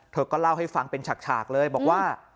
เธอก็เล่าให้ฟังเป็นฉากเลยบอกว่า